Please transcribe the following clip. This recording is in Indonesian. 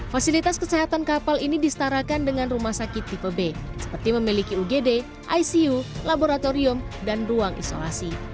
fasilitas kesehatan kapal ini disetarakan dengan rumah sakit tipe b seperti memiliki ugd icu laboratorium dan ruang isolasi